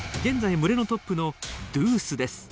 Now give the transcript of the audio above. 群れのトップのドゥースです。